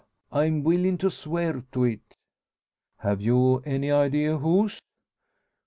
I'm willin' to swear to it." "Have you any idea whose?"